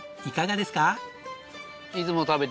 いかがですか？